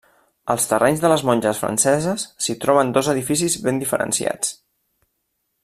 Als terrenys de les Monges Franceses s'hi troben dos edificis ben diferenciats.